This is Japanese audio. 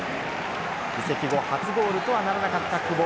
移籍後初ゴールとはならなかった久保。